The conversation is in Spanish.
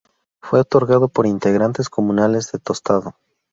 Fue otorgado por integrantes comunales de Tostado.